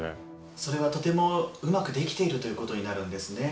それはとてもうまくできているということになるんですね。